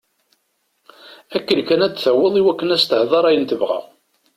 Akken kan ad taweḍ iwakken ad as-d-tehder ayen tebɣa.